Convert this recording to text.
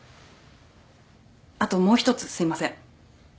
あともう一つすいません。